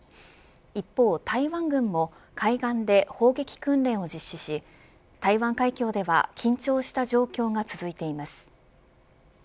一方、台湾軍も海岸で砲撃訓練を実施し台湾海峡では緊張した状況が続いています。